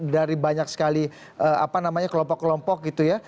dari banyak sekali kelompok kelompok gitu ya